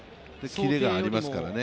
キレがありますからね。